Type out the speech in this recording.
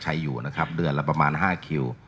ใช้อยู่นะครับเดือนละประมาณ๕คิว